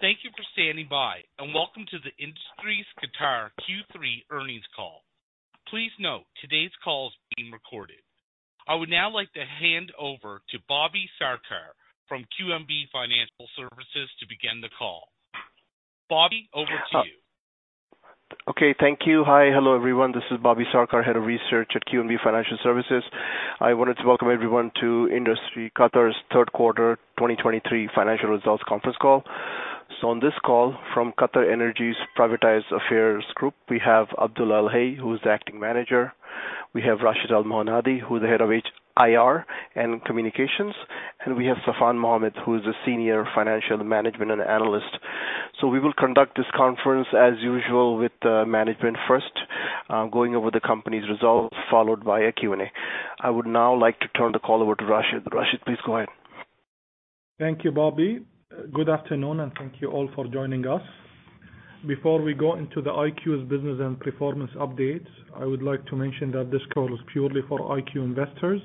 Thank you for standing by, and welcome to the Industries Qatar Q3 earnings call. Please note today's call is being recorded. I would now like to hand over to Bobby Sarkar from QNB Financial Services to begin the call. Bobby, over to you. Okay. Thank you. Hi. Hello, everyone. This is Bobby Sarkar, Head of Research at QNB Financial Services. I wanted to welcome everyone to Industries Qatar's third quarter 2023 financial results conference call. On this call from QatarEnergy's Privatized Companies Affairs, we have Abdul Al Hai, who is the Acting Manager. We have Rashed Al Monadi, who is the Head of HIR and communications, and we have Safwan Mohammed, who is the senior financial management and analyst. We will conduct this conference as usual with the management first, going over the company's results, followed by a Q&A. I would now like to turn the call over to Rashed. Rashed, please go ahead. Thank you, Bobby. Good afternoon, and thank you all for joining us. Before we go into the IQ's business and performance update, I would like to mention that this call is purely for IQ investors,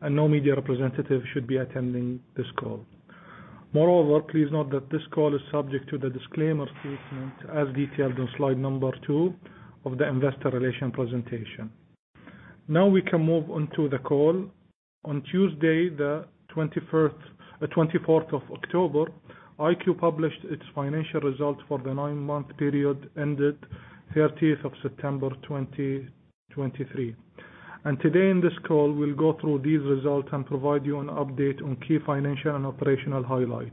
and no media representative should be attending this call. Moreover, please note that this call is subject to the disclaimer statement as detailed on slide number two of the investor relations presentation. Now we can move on to the call. On Tuesday, the 24th of October, IQ published its financial results for the nine-month period ended 30th of September 2023. Today in this call, we will go through these results and provide you an update on key financial and operational highlights.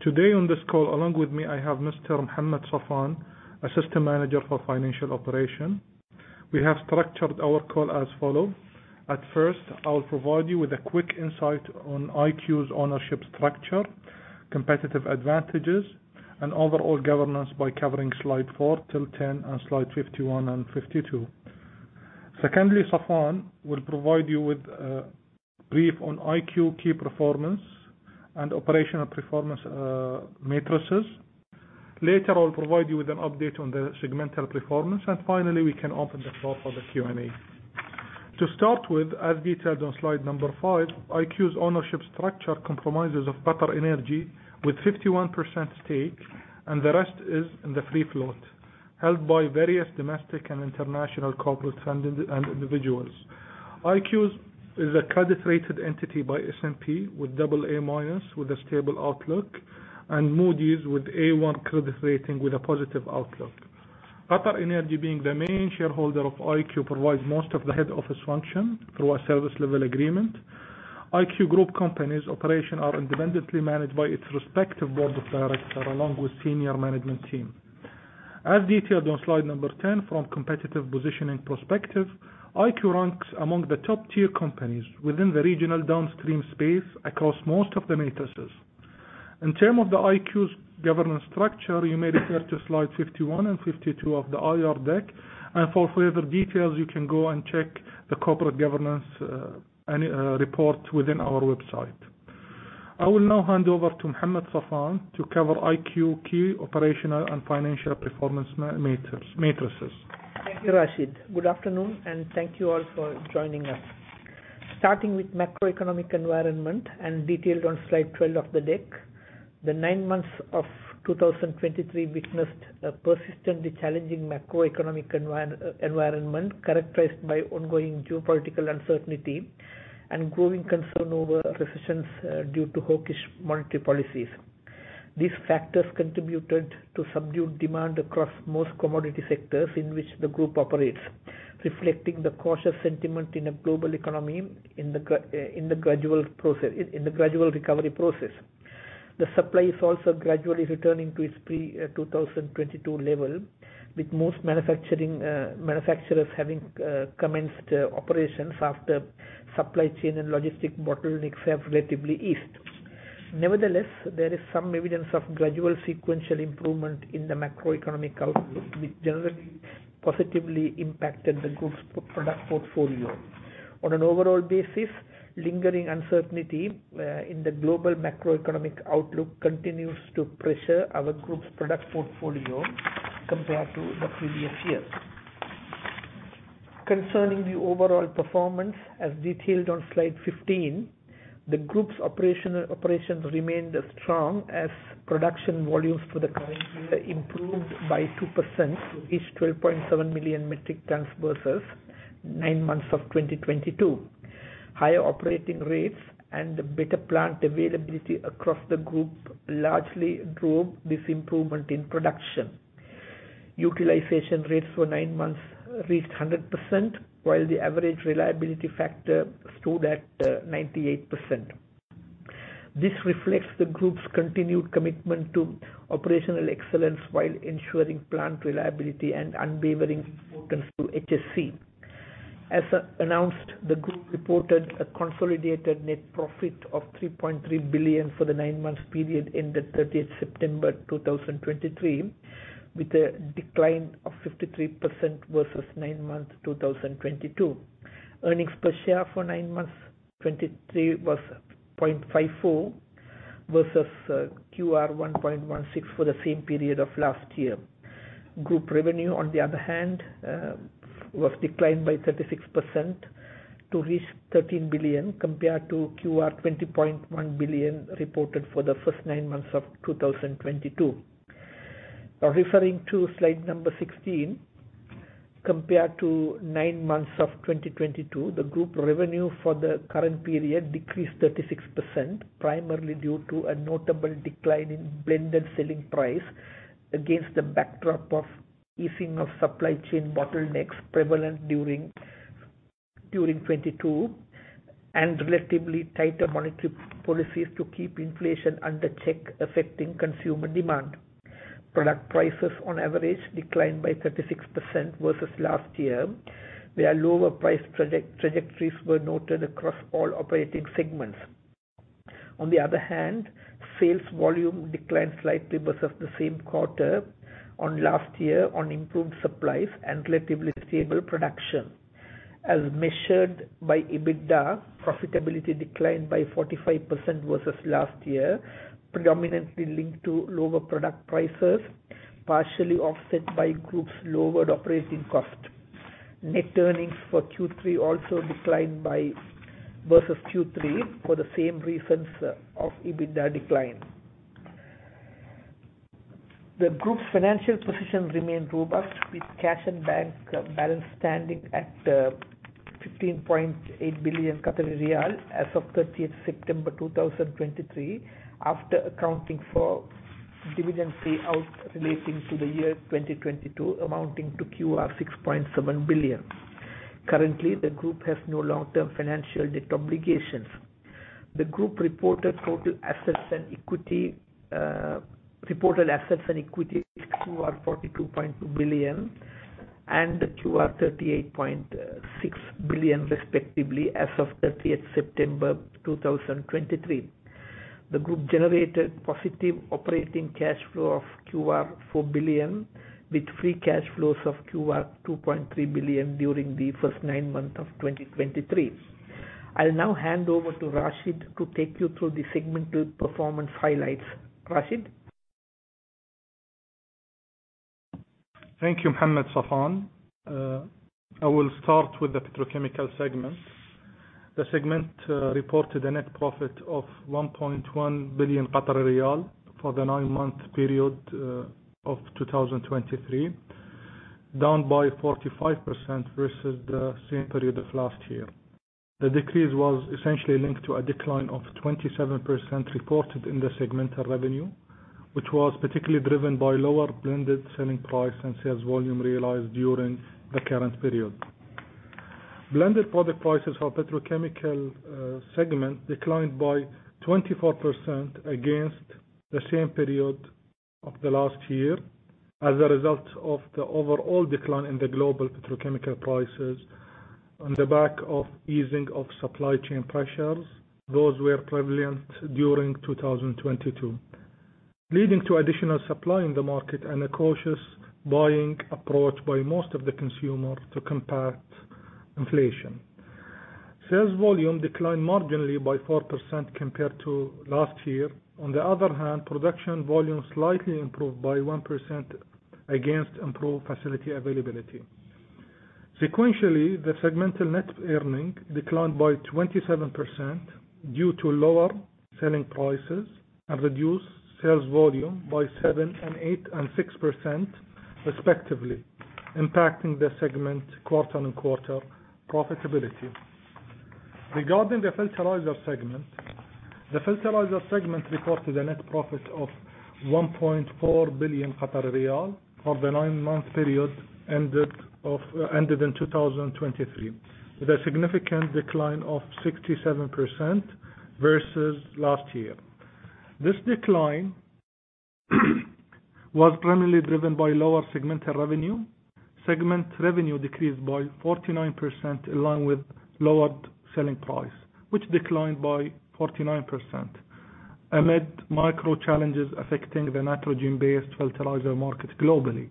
Today on this call, along with me, I have Mr. Mohammed Safwan, Assistant Manager for Financial Operation. We have structured our call as follows. At first, I will provide you with a quick insight on IQ's ownership structure, competitive advantages, and overall governance by covering slide four till 10 and slide 51 and 52. Secondly, Safwan will provide you with a brief on IQ key performance and operational performance matrices. Later, I will provide you with an update on the segmental performance. Finally, we can open the floor for the Q&A. To start with, as detailed on slide number five, IQ's ownership structure comprises of QatarEnergy with 51% stake, and the rest is in the free float, held by various domestic and international corporate funded and individuals. IQ is a credit-rated entity by S&P Global Ratings with AA- with a stable outlook and Moody's Investors Service with A1 credit rating with a positive outlook. QatarEnergy, being the main shareholder of IQ, provides most of the head office function through a service level agreement. IQ group companies operation are independently managed by its respective board of directors along with senior management team. As detailed on slide 10 from competitive positioning perspective, IQ ranks among the top-tier companies within the regional downstream space across most of the matrices. In term of the IQ's governance structure, you may refer to slide 51 and 52 of the IR deck, and for further details, you can go and check the corporate governance report within our website. I will now hand over to Mohammed Safwan to cover IQ key operational and financial performance matrices. Thank you, Rashid. Good afternoon, and thank you all for joining us. Starting with macroeconomic environment and detailed on slide 12 of the deck, the nine months of 2023 witnessed a persistently challenging macroeconomic environment characterized by ongoing geopolitical uncertainty and growing concern over recessions due to hawkish monetary policies. These factors contributed to subdued demand across most commodity sectors in which the group operates, reflecting the cautious sentiment in a global economy in the gradual recovery process. The supply is also gradually returning to its pre-2022 level, with most manufacturers having commenced operations after supply chain and logistic bottlenecks have relatively eased. Nevertheless, there is some evidence of gradual sequential improvement in the macroeconomic outlook, which generally positively impacted the group's product portfolio. On an overall basis, lingering uncertainty in the global macroeconomic outlook continues to pressure our group's product portfolio compared to the previous years. Concerning the overall performance, as detailed on slide 15, the group's operations remained as strong as production volumes for the current year improved by 2% to reach 12.7 million metric tons versus nine months of 2022. Higher operating rates and better plant availability across the group largely drove this improvement in production. Utilization rates for nine months reached 100%, while the average reliability factor stood at 98%. This reflects the group's continued commitment to operational excellence while ensuring plant reliability and unwavering importance to HSE. As announced, the group reported a consolidated net profit of 3.3 billion for the nine months period ended 30 September 2023, with a decline of 53% versus nine months 2022. Earnings per share for nine months 2023 was QR 0.54 versus QR 1.16 for the same period of last year. Group revenue, on the other hand, was declined by 36% to reach 13 billion compared to 20.1 billion reported for the first nine months of 2022. Referring to slide 16, compared to nine months of 2022, the group revenue for the current period decreased 36%, primarily due to a notable decline in blended selling price against the backdrop of easing of supply chain bottlenecks prevalent during 2022, and relatively tighter monetary policies to keep inflation under check, affecting consumer demand. Product prices on average declined by 36% versus last year, where lower price trajectories were noted across all operating segments. On the other hand, sales volume declined slightly versus the same quarter on last year on improved supplies and relatively stable production. As measured by EBITDA, profitability declined by 45% versus last year, predominantly linked to lower product prices, partially offset by group's lowered operating cost. Net earnings for Q3 also declined by versus Q3 for the same reasons of EBITDA decline. The group's financial position remains robust, with cash and bank balance standing at 15.8 billion Qatari riyal as of 30th September 2023, after accounting for dividend payout relating to the year 2022, amounting to 6.7 billion. Currently, the group has no long-term financial debt obligations. The group reported assets and equity 42.2 billion and 38.6 billion respectively as of 30th September 2023. The group generated positive operating cash flow of 4 billion, with free cash flows of 2.3 billion during the first nine months of 2023. I'll now hand over to Rashid to take you through the segmental performance highlights. Rashid? Thank you, Mohammed Safwan. I will start with the petrochemical segment. The segment reported a net profit of 1.1 billion riyal for the nine-month period of 2023, down by 45% versus the same period of last year. The decrease was essentially linked to a decline of 27% reported in the segmental revenue, which was particularly driven by lower blended selling price and sales volume realized during the current period. Blended product prices for petrochemical segment declined by 24% against the same period of the last year as a result of the overall decline in the global petrochemical prices on the back of easing of supply chain pressures. Those were prevalent during 2022, leading to additional supply in the market and a cautious buying approach by most of the consumers to combat inflation. Sales volume declined marginally by 4% compared to last year. On the other hand, production volume slightly improved by 1% against improved facility availability. Sequentially, the segmental net earning declined by 27% due to lower selling prices and reduced sales volume by 7% and 8% and 6% respectively, impacting the segment quarter-on-quarter profitability. Regarding the fertilizer segment, the fertilizer segment reported a net profit of 1.4 billion riyal for the nine-month period ended in 2023, with a significant decline of 67% versus last year. This decline was primarily driven by lower segmental revenue. Segment revenue decreased by 49%, along with lowered selling price, which declined by 49%, amid micro challenges affecting the nitrogen-based fertilizer market globally,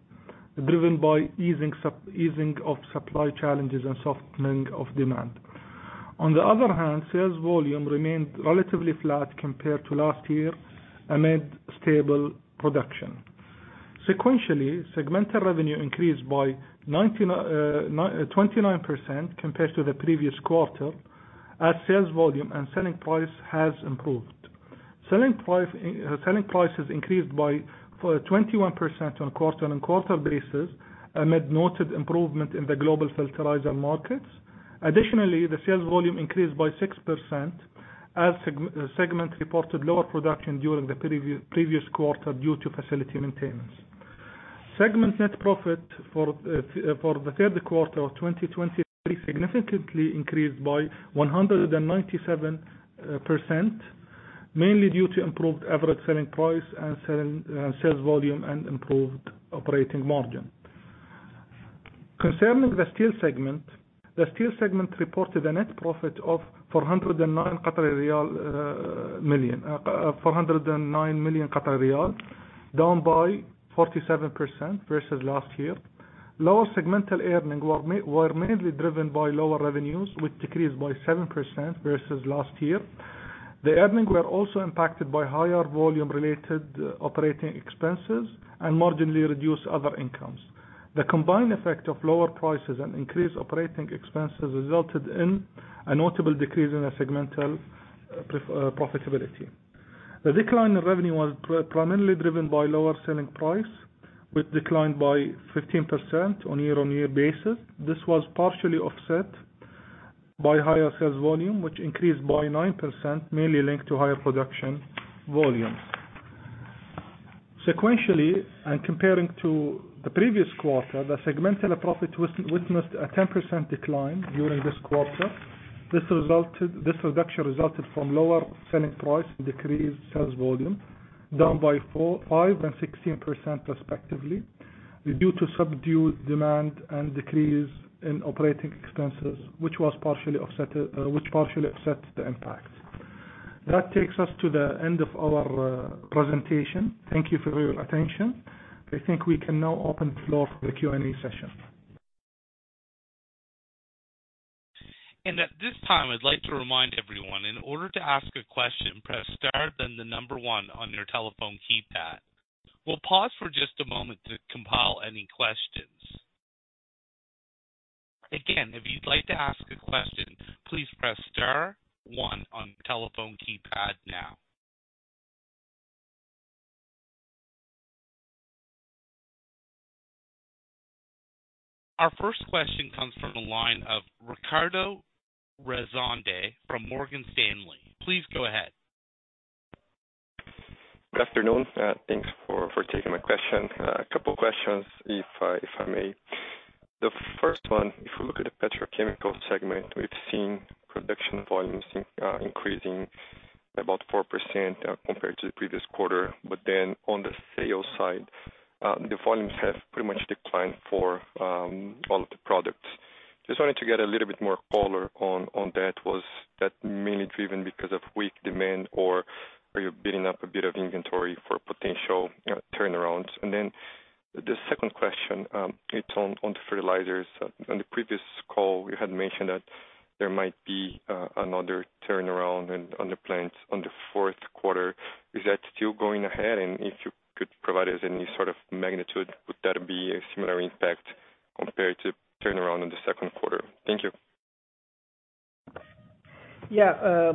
driven by easing of supply challenges and softening of demand. On the other hand, sales volume remained relatively flat compared to last year amid stable production. Sequentially, segmental revenue increased by 29% compared to the previous quarter, as sales volume and selling price has improved. Selling prices increased by 21% on quarter-on-quarter basis amid noted improvement in the global fertilizer markets. Additionally, the sales volume increased by 6% as segment reported lower production during the previous quarter due to facility maintenance. Segment net profit for the third quarter of 2023 significantly increased by 197%, mainly due to improved average selling price and sales volume and improved operating margin. Concerning the steel segment, the steel segment reported a net profit of QAR 409 million, down by 47% versus last year. Lower segmental earning were mainly driven by lower revenues, which decreased by 7% versus last year. The earnings were also impacted by higher volume-related operating expenses and marginally reduced other incomes. The combined effect of lower prices and increased operating expenses resulted in a notable decrease in the segmental profitability. The decline in revenue was primarily driven by lower selling price, which declined by 15% on year-on-year basis. This was partially offset by higher sales volume, which increased by 9%, mainly linked to higher production volumes. Sequentially, and comparing to the previous quarter, the segmental profit witnessed a 10% decline during this quarter. This reduction resulted from lower selling price and decreased sales volume, down by 5% and 16% respectively, due to subdued demand and decrease in operating expenses, which partially offset the impact. That takes us to the end of our presentation. Thank you for your attention. I think we can now open the floor for the Q&A session. At this time, I'd like to remind everyone, in order to ask a question, press star, then the number one on your telephone keypad. We'll pause for just a moment to compile any questions. Again, if you'd like to ask a question, please press star one on your telephone keypad now. Our first question comes from the line of Ricardo Rezende from Morgan Stanley. Please go ahead. Good afternoon. Thanks for taking my question. A couple questions, if I may. The first one, if we look at the petrochemical segment, we've seen production volumes increasing about 4% compared to the previous quarter. On the sales side, the volumes have pretty much declined for all of the products. Just wanted to get a little bit more color on that. Was that mainly driven because of weak demand, or are you building up a bit of inventory for potential turnarounds? The second question, it's on the fertilizers. On the previous call, you had mentioned that there might be another turnaround on the plant on the fourth quarter. Is that still going ahead? If you could provide us any sort of magnitude. Would that be a similar impact compared to turnaround in the second quarter? Thank you. Yeah.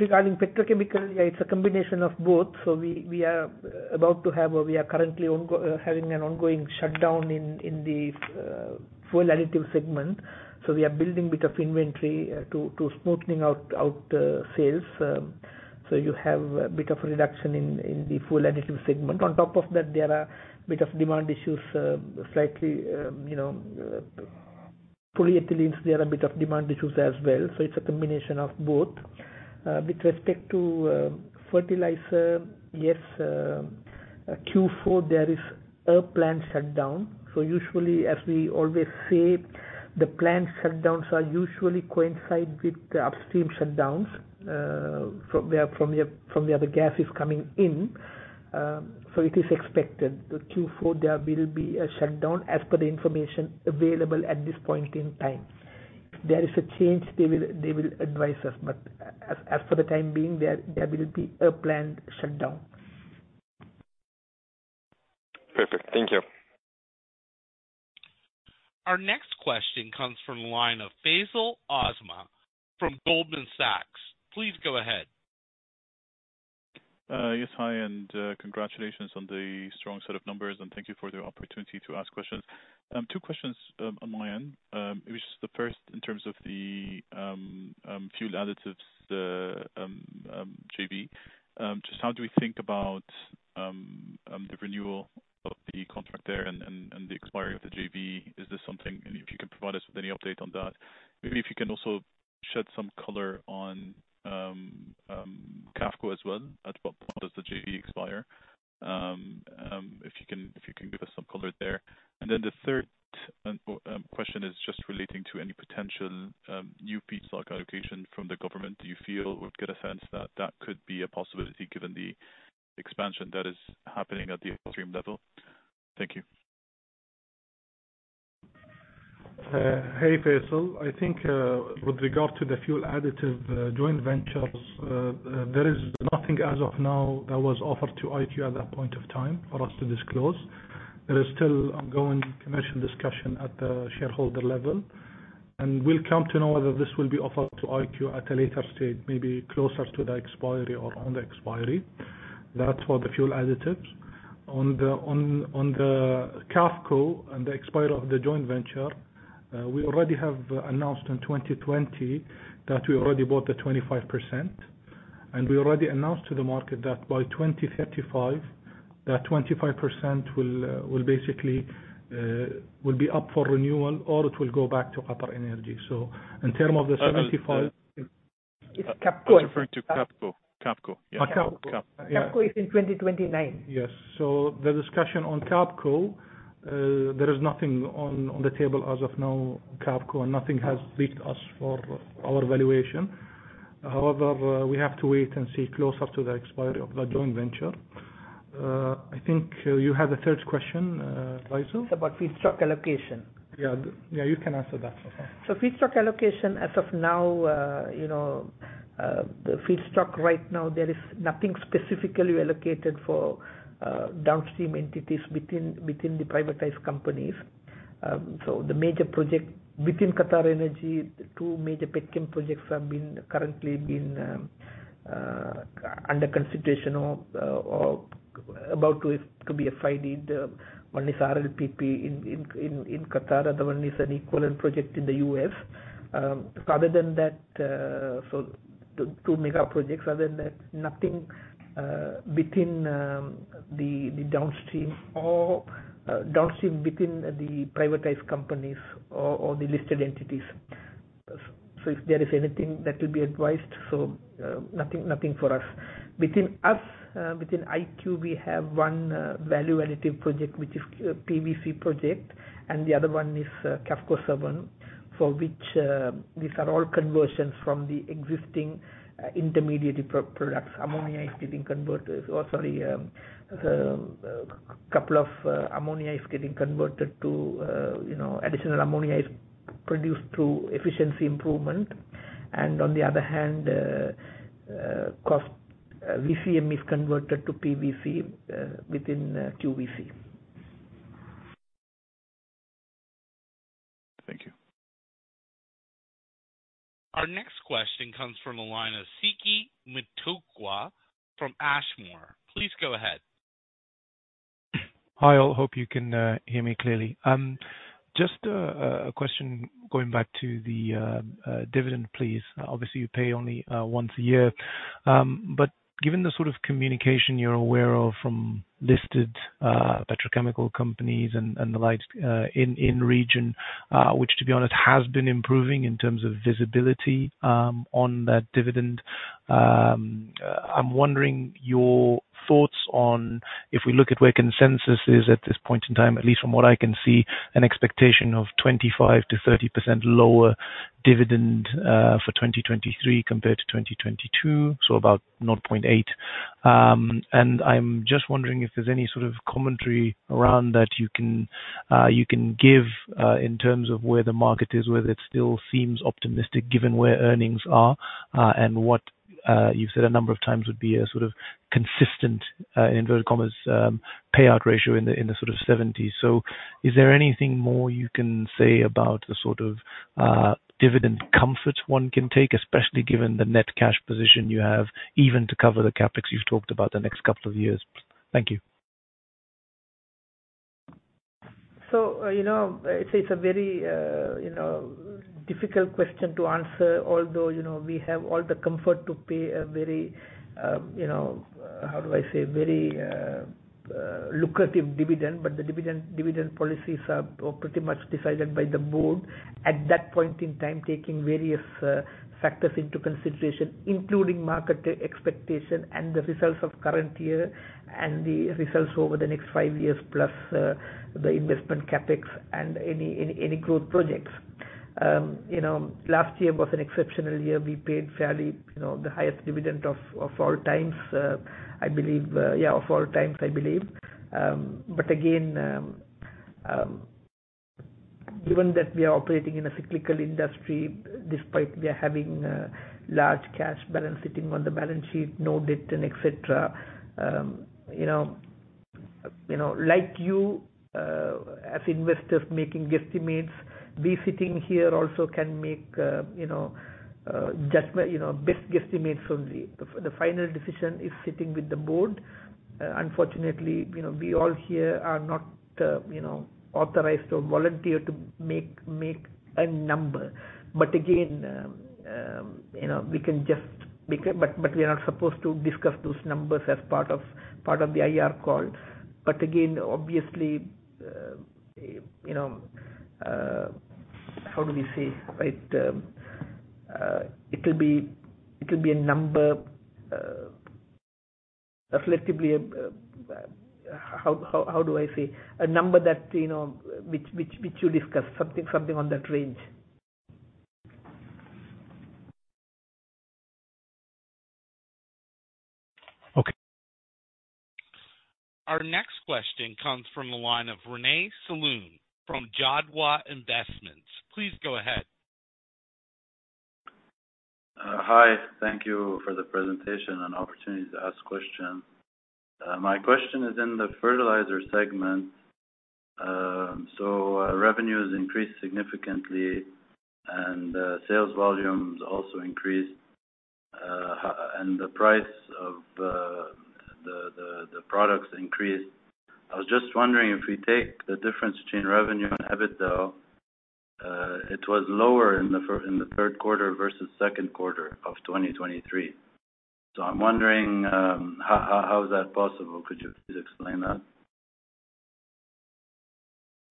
Regarding petrochemical, it's a combination of both. We are about to have, or we are currently having an ongoing shutdown in the fuel additive segment. We are building a bit of inventory to smoothen out sales. You have a bit of a reduction in the fuel additive segment. On top of that, there are a bit of demand issues. polyethylenes, there are a bit of demand issues as well. It's a combination of both. With respect to fertilizer, yes, Q4 there is a plant shutdown. Usually as we always say, the plant shutdowns are usually coincide with the upstream shutdowns from where the gas is coming in. It is expected that Q4 there will be a shutdown as per the information available at this point in time. If there is a change, they will advise us. As for the time being, there will be a planned shutdown. Perfect. Thank you. Our next question comes from the line of Faisal Aslam from Goldman Sachs. Please go ahead. Yes, hi, and congratulations on the strong set of numbers, and thank you for the opportunity to ask questions. two questions on my end. The first in terms of the fuel additive JV. Just how do we think about the renewal of the contract there and the expiry of the JV? Is this something, and if you can provide us with any update on that? Maybe if you can also shed some color on QAFCO as well. At what point does the JV expire? If you can give us some color there. Then the third question is just relating to any potential new feedstock allocation from the government. Do you feel or get a sense that that could be a possibility given the expansion that is happening at the upstream level? Thank you. Hey, Faisal. I think with regard to the fuel additive joint ventures there is nothing as of now that was offered to IQ at that point of time for us to disclose. There is still ongoing commercial discussion at the shareholder level. We'll come to know whether this will be offered to IQ at a later stage, maybe closer to the expiry or on the expiry. That's for the fuel additives. On the QAFCO and the expiry of the joint venture, we already have announced in 2020 that we already bought the 25%. We already announced to the market that by 2035, that 25% will be up for renewal, or it will go back to QatarEnergy. In term of the 75- It's QAFCO. I was referring to QAFCO. CAFCO. QAFCO is in 2029. Yes. The discussion on QAFCO, there is nothing on the table as of now, QAFCO, and nothing has reached us for our valuation. However, we have to wait and see closer to the expiry of the joint venture. I think you have a third question, Faisal. It's about feedstock allocation. Yeah. You can answer that, okay? Feedstock allocation as of now, the feedstock right now, there is nothing specifically allocated for downstream entities within the privatized companies. The major project within QatarEnergy, the two major petchem projects have currently been under consideration of about to be FID. One is RLPP in Qatar, the one is an equivalent project in the U.S. Other than that, two mega projects. Other than that, nothing between the downstream or downstream between the privatized companies or the listed entities. If there is anything that will be advised, nothing for us. Within us, within IQ, we have one value additive project, which is PVC project, and the other one is Qafco 7. For which these are all conversions from the existing intermediated products. ammonia is getting converted. Oh, sorry, additional ammonia is produced through efficiency improvement, and on the other hand, VCM is converted to PVC within QVC. Thank you. Our next question comes from the line of Siki Mutokwa from Ashmore. Please go ahead. Hi, all. Hope you can hear me clearly. Just a question going back to the dividend, please. Obviously, you pay only once a year. Given the sort of communication you're aware of from listed petrochemical companies and the like in region, which to be honest has been improving in terms of visibility on that dividend, I'm wondering your thoughts on, if we look at where consensus is at this point in time, at least from what I can see, an expectation of 25%-30% lower dividend for 2023 compared to 2022, so about 0.8. I'm just wondering if there's any sort of commentary around that you can give in terms of where the market is, whether it still seems optimistic given where earnings are and what you've said a number of times would be a sort of consistent, in inverted commas, payout ratio in the sort of 70s. Is there anything more you can say about the sort of dividend comfort one can take, especially given the net cash position you have even to cover the CapEx you've talked about the next couple of years? Thank you. It's a very difficult question to answer, although we have all the comfort to pay a very lucrative dividend, but the dividend policies are pretty much decided by the board at that point in time, taking various factors into consideration, including market expectation and the results of current year, and the results over the next five years plus the investment CapEx and any growth projects. Last year was an exceptional year. We paid fairly the highest dividend of all times, I believe. Again, given that we are operating in a cyclical industry, despite we are having large cash balance sitting on the balance sheet, no debt and et cetera. Like you, as investors making guesstimates, we sitting here also can make best guesstimates from the final decision is sitting with the board. Unfortunately, we all here are not authorized or volunteer to make a number. We can just make it, but we are not supposed to discuss those numbers as part of the IR call. Obviously, it will be a number, a number which you discuss, something on that range. Okay. Our next question comes from the line of Rene Saloon from Jadwa Investment. Please go ahead. Hi. Thank you for the presentation and opportunity to ask questions. My question is in the fertilizer segment. Revenues increased significantly, and sales volumes also increased, and the price of the products increased. I was just wondering if we take the difference between revenue and EBITDA, it was lower in the third quarter versus second quarter of 2023. I'm wondering how is that possible? Could you please explain that?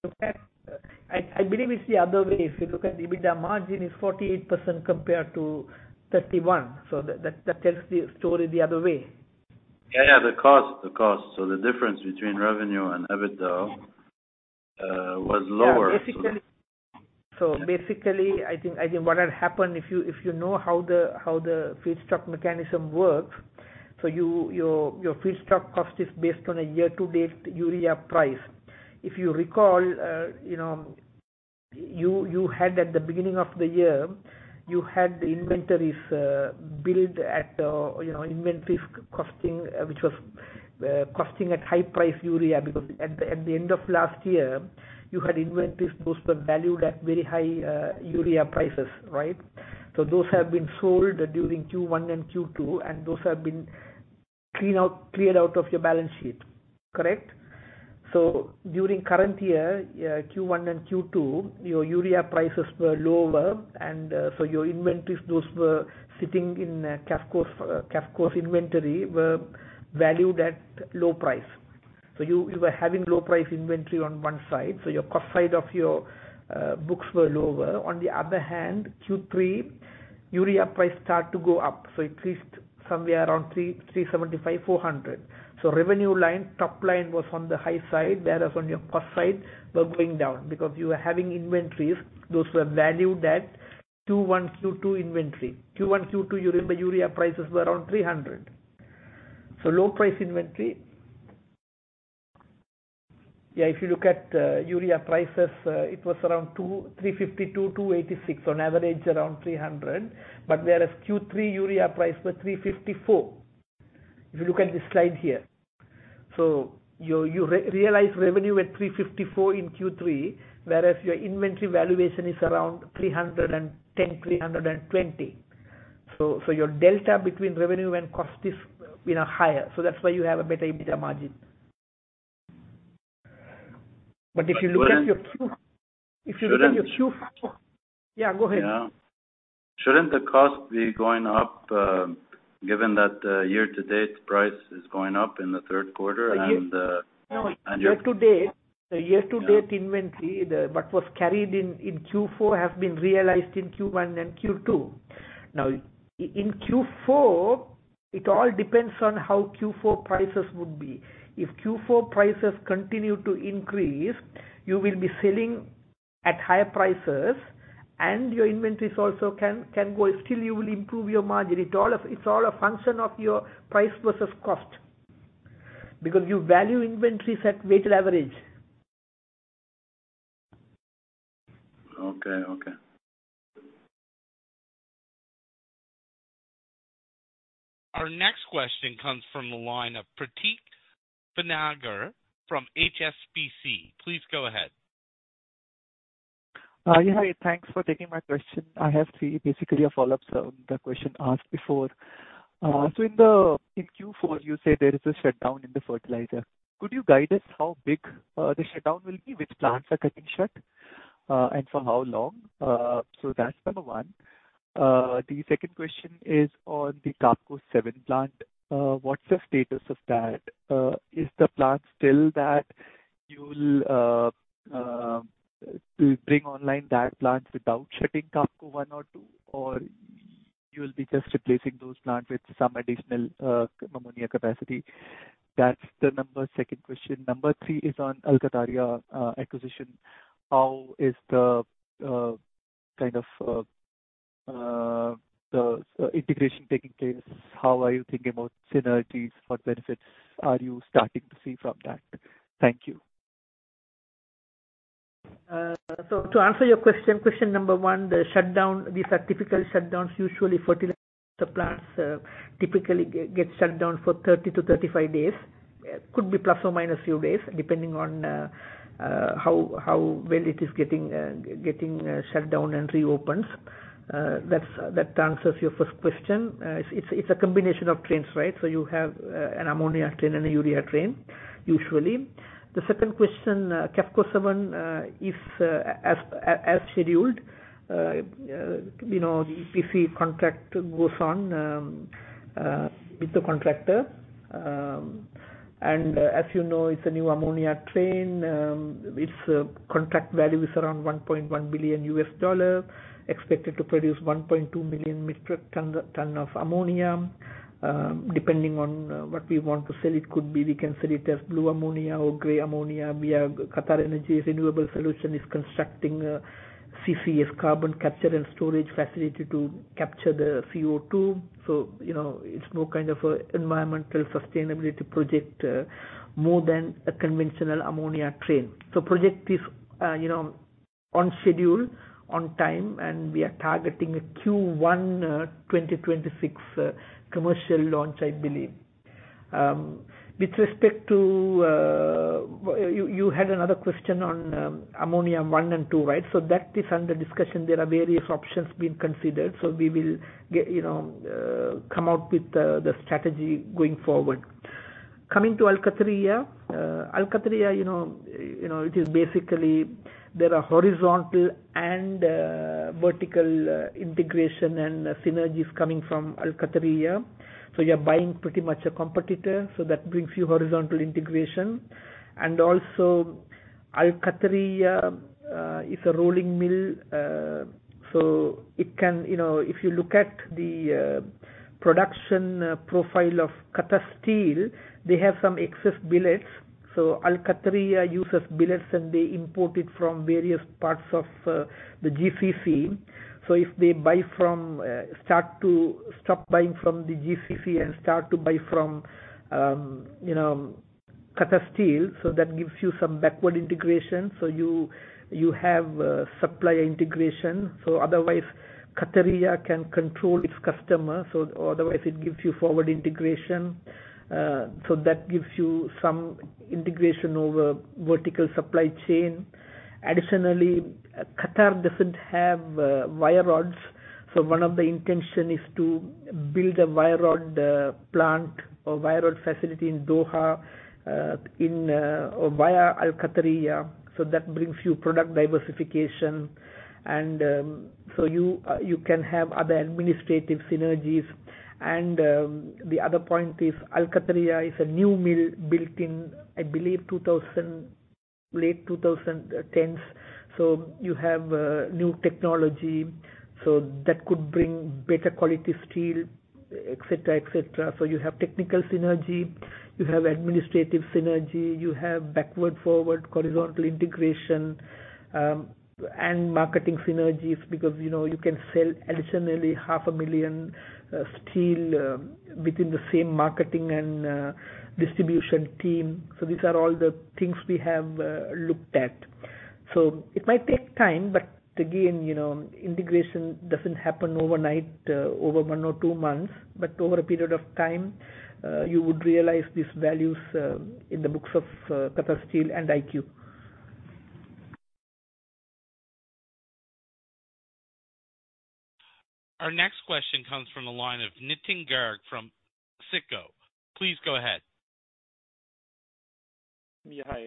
Okay. I believe it's the other way. If you look at EBITDA margin is 48% compared to 31%, that tells the story the other way. Yeah, the cost. The difference between revenue and EBITDA was lower. Basically, I think what had happened, if you know how the feedstock mechanism works. Your feedstock cost is based on a year-to-date urea price. If you recall, at the beginning of the year, you had the inventories billed at inventories costing, which was costing at high price urea, because at the end of last year, you had inventories. Those were valued at very high urea prices, right? Those have been sold during Q1 and Q2, and those have been cleared out of your balance sheet. Correct? During current year, Q1 and Q2, your urea prices were lower. Your inventories, those were sitting in QAFCO's inventory, were valued at low price. You were having low price inventory on one side, your cost side of your books were lower. On the other hand, Q3 urea price start to go up. It reached somewhere around 375, 400. Revenue line, top line was on the high side, whereas on your cost side, were going down because you were having inventories. Those were valued at Q1, Q2 inventory. Q1, Q2, you remember urea prices were around 300. Low price inventory. If you look at urea prices, it was around 352, 286, on average around 300. Whereas Q3 urea price was 354. If you look at the slide here. You realize revenue at 354 in Q3, whereas your inventory valuation is around 310, 320. Your delta between revenue and cost is higher. That's why you have a better EBITDA margin. If you look at your Q4, go ahead. Shouldn't the cost be going up, given that year-to-date price is going up in the third quarter and your No. Year-to-date inventory, what was carried in Q4 has been realized in Q1 and Q2. In Q4, it all depends on how Q4 prices would be. If Q4 prices continue to increase, you will be selling at higher prices, and your inventories also can go. Still you will improve your margin. It's all a function of your price versus cost. Because you value inventories at weighted average. Okay. Our next question comes from the line of Prateek Banagar from HSBC. Please go ahead. Hi. Thanks for taking my question. I have three basically a follow-up from the question asked before. In Q4, you say there is a shutdown in the fertilizer. Could you guide us how big the shutdown will be? Which plants are getting shut? For how long? That's number one. The second question is on the Qafco 7 plant. What's the status of that? Is the plant still that you'll bring online that plant without shutting QAFCO 1 or 2, or you'll be just replacing those plants with some additional ammonia capacity? That's the second question. Number three is on Al Qataria acquisition. How is the integration taking place? How are you thinking about synergies? What benefits are you starting to see from that? Thank you. To answer your question number one, the shutdown. These are typical shutdowns. Usually, fertilizer plants typically get shut down for 30 to 35 days. Could be plus or minus a few days, depending on when it is getting shut down and reopens. That answers your first question. It's a combination of trains, right? You have an ammonia train and a urea train, usually. The second question, Qafco 7 is as scheduled. The EPC contract goes on with the contractor. As you know, it's a new ammonia train. Its contract value is around $1.1 billion, expected to produce 1.2 million metric ton of ammonia. Depending on what we want to sell, it could be we can sell it as blue ammonia or gray ammonia. We have QatarEnergy Renewable Solutions is constructing a CCS, carbon capture and storage facility to capture the CO2. It's more kind of an environmental sustainability project, more than a conventional ammonia train. Project is on schedule, on time, and we are targeting a Q1 2026 commercial launch, I believe. With respect to You had another question on QAFCO 1 and 2, right? That is under discussion. There are various options being considered. We will come out with the strategy going forward. Coming to Al Qataria. Al Qataria, it is basically there are horizontal and vertical integration and synergies coming from Al Qataria. You're buying pretty much a competitor, so that brings you horizontal integration. Al Qataria is a rolling mill. If you look at the production profile of Qatar Steel, they have some excess billets. Al Qataria uses billets, and they import it from various parts of the GCC. If they stop buying from the GCC and start to buy from Qatar Steel, that gives you some backward integration. You have supplier integration. Otherwise, Al Qataria can control its customer, otherwise it gives you forward integration. That gives you some integration over vertical supply chain. Additionally, Qatar doesn't have wire rods, one of the intention is to build a wire rod plant or wire rod facility in Doha via Al Qataria. That brings you product diversification, you can have other administrative synergies. The other point is Al Qataria is a new mill built in, I believe, late 2010s. You have new technology, that could bring better quality steel, et cetera. You have technical synergy, you have administrative synergy, you have backward-forward horizontal integration, and marketing synergies because you can sell additionally half a million steel within the same marketing and distribution team. These are all the things we have looked at. It might take time, but again, integration doesn't happen overnight, over one or two months. Over a period of time, you would realize these values in the books of Qatar Steel and IQ. Our next question comes from the line of Nitin Garg from SICO. Please go ahead. Yeah. Hi,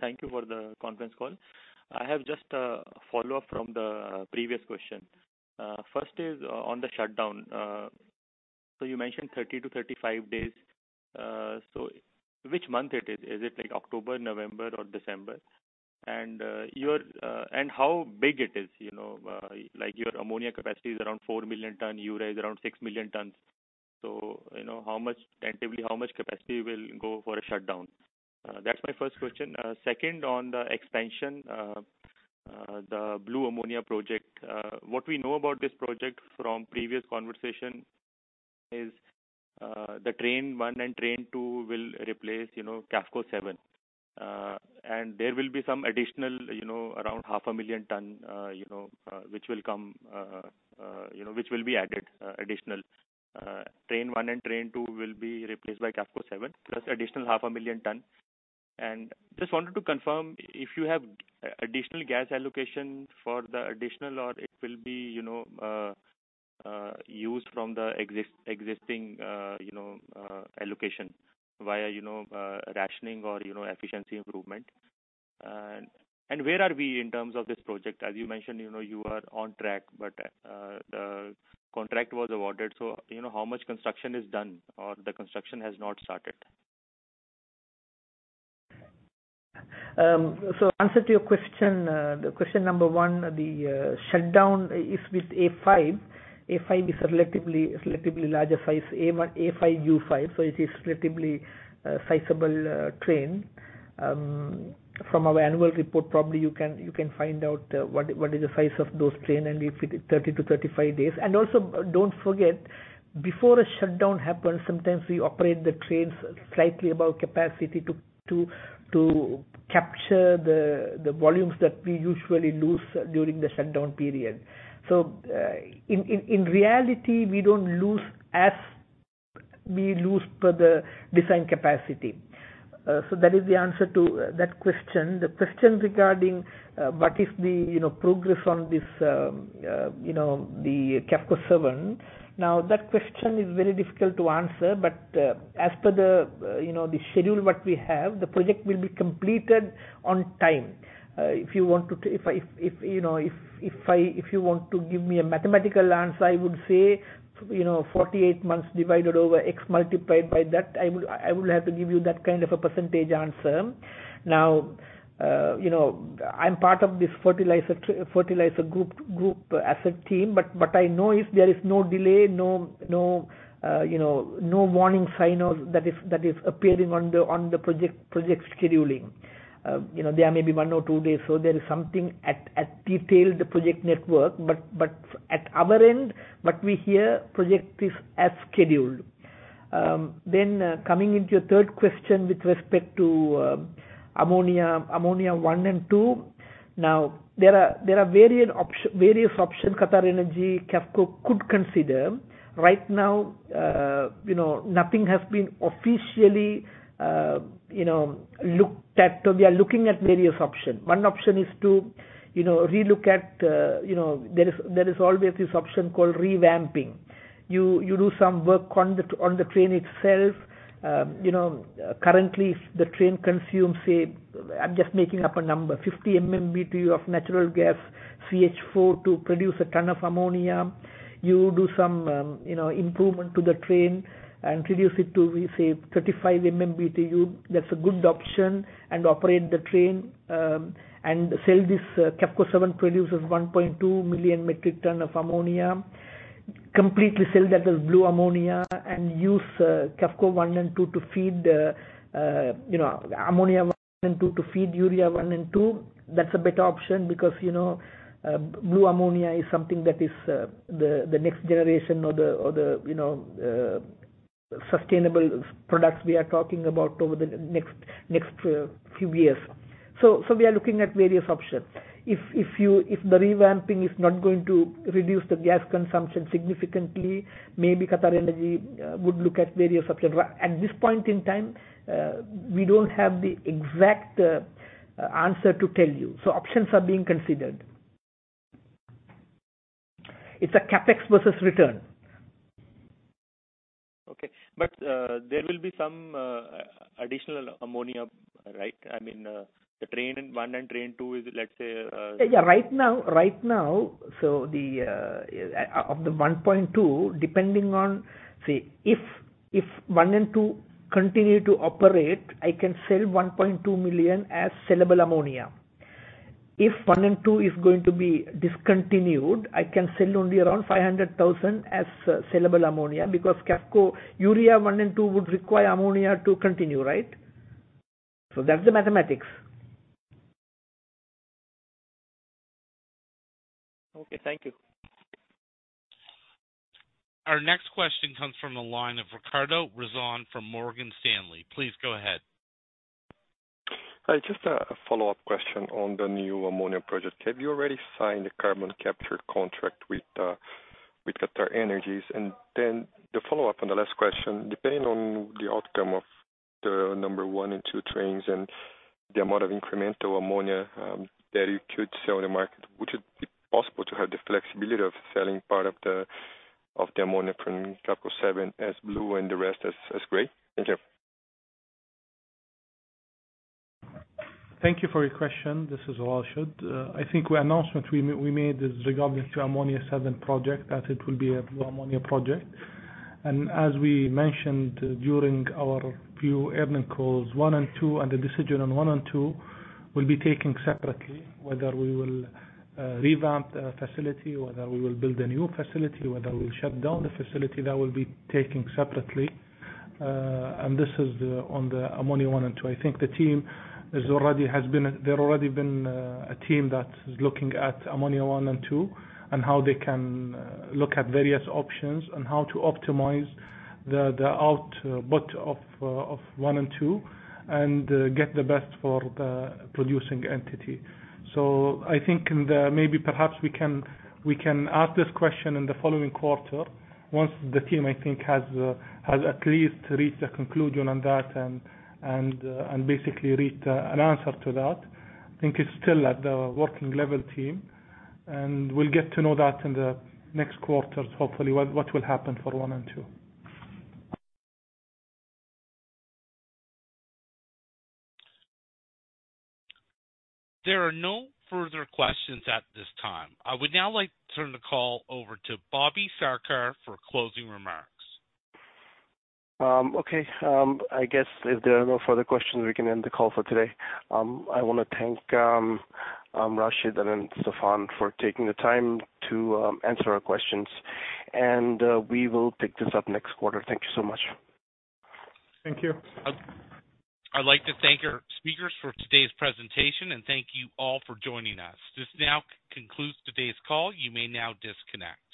thank you for the conference call. I have just a follow-up from the previous question. First is on the shutdown. You mentioned 30-35 days. Which month it is? Is it like October, November, or December? And how big it is? Your ammonia capacity is around 4 million tons, urea is around 6 million tons. Tentatively, how much capacity will go for a shutdown? That's my first question. Second, on the expansion, the blue ammonia project. What we know about this project from previous conversation is the train 1 and train 2 will replace QAFCO 7. There will be some additional, around half a million tons, which will be added additional. Train 1 and train 2 will be replaced by QAFCO 7, plus additional half a million tons. Just wanted to confirm if you have additional gas allocation for the additional, or it will be used from the existing allocation via rationing or efficiency improvement. Where are we in terms of this project? As you mentioned, you are on track, but the contract was awarded, so how much construction is done, or the construction has not started? Answer to your question, the question number 1, the shutdown is with A5. A5 is a relatively larger size. A5, U5, it is relatively sizable train. From our annual report, probably you can find out what is the size of those train, and if it is 30-35 days. Also, don't forget, before a shutdown happens, sometimes we operate the trains slightly above capacity to capture the volumes that we usually lose during the shutdown period. In reality, we don't lose as we lose per the design capacity. That is the answer to that question. The question regarding what is the progress on this QAFCO 7. That question is very difficult to answer, but as per the schedule what we have, the project will be completed on time. If you want to give me a mathematical answer, I would say, 48 months divided over X multiplied by that. I would have to give you that kind of a percentage answer. I'm part of this fertilizer group asset team, but I know is there is no delay, no warning sign that is appearing on the project scheduling. There may be one or two days, there is something at detailed project network. At our end, what we hear, project is as scheduled. Coming into your third question with respect to ammonia 1 and 2. There are various options QatarEnergy QAFCO could consider. Right now, nothing has been officially looked at. We are looking at various option. One option is to relook at. There is always this option called revamping. You do some work on the train itself. Currently, the train consumes, say, I'm just making up a number, 50 MMBtu of natural gas, CH4, to produce a ton of ammonia. You do some improvement to the train and reduce it to, we say, 35 MMBtu. That's a good option, and operate the train, and sell this QAFCO 7 produces 1.2 million metric tons of ammonia. Completely sell that as blue ammonia and use QAFCO 1 and 2 to feed urea 1 and 2. That's a better option because blue ammonia is something that is the next generation of the sustainable products we are talking about over the next few years. We are looking at various options. If the revamping is not going to reduce the gas consumption significantly, maybe QatarEnergy would look at various options. At this point in time, we don't have the exact answer to tell you. Options are being considered. It's a CapEx versus return. Okay. There will be some additional ammonia, right? I mean, the train one and train two is. Yeah. Right now, of the 1.2, depending on, say, if one and two continue to operate, I can sell 1.2 million as sellable ammonia. If one and two is going to be discontinued, I can sell only around 500,000 as sellable ammonia because QAFCO urea 1 and 2 would require ammonia to continue, right? That's the mathematics. Okay. Thank you. Our next question comes from the line of Ricardo Rezende from Morgan Stanley. Please go ahead. Hi. Just a follow-up question on the new ammonia project. Have you already signed a carbon capture contract with QatarEnergy? The follow-up on the last question, depending on the outcome of the number 1 and 2 trains and the amount of incremental ammonia that you could sell in the market, would it be possible to have the flexibility of selling part of the ammonia from Qafco 7 as blue and the rest as gray? Thank you. Thank you for your question. This is Rashid. I think what announcement we made is regarding to Ammonia-7 project, that it will be a blue ammonia project. As we mentioned during our few earning calls, 1 and 2, the decision on 1 and 2 will be taken separately. Whether we will revamp the facility, whether we will build a new facility, whether we'll shut down the facility, that will be taken separately. This is on the ammonia 1 and 2. I think there already been a team that is looking at ammonia 1 and 2, and how they can look at various options on how to optimize the output of 1 and 2, and get the best for the producing entity. I think maybe perhaps we can ask this question in the following quarter once the team, I think, has at least reached a conclusion on that and basically reached an answer to that. I think it's still at the working level team, we'll get to know that in the next quarters, hopefully, what will happen for 1 and 2. There are no further questions at this time. I would now like to turn the call over to Bobby Sarkar for closing remarks. Okay. I guess if there are no further questions, we can end the call for today. I want to thank Rashid and Stephane for taking the time to answer our questions, and we will pick this up next quarter. Thank you so much. Thank you. I'd like to thank our speakers for today's presentation and thank you all for joining us. This now concludes today's call. You may now disconnect.